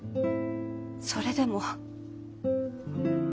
それでも。